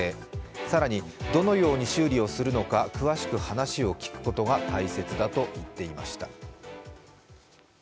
更にどのように修理をするのか詳しく話を聞くことが大切だといっていました。